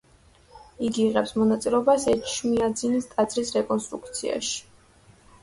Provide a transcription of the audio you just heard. იგი იღებს მონაწილეობას ეჩმიაძინის ტაძრის რეკონსტრუქციაში.